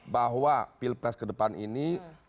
bahwa pilpres kedepan ini